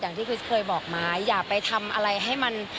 ที่คริสเคยบอกมาอย่าไปทำอะไรให้มัน